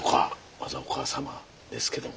まずはお母様ですけども。